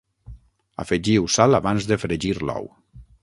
Afegiu sal abans de fregir l'ou.